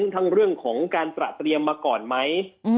ทั้งเรื่องของการตระเตรียมมาก่อนไหม